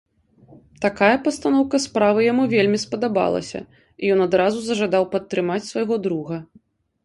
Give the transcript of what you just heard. Такая пастаноўка справы яму вельмі спадабалася, і ён адразу зажадаў падтрымаць свайго друга.